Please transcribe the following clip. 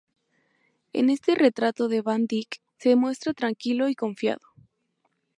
En este retrato de Van Dyck se muestra tranquilo y confiado.